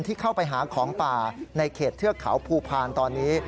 ที่เข้าไปหาของป่าในเขตเทือกเขาภูพาลตอนนี้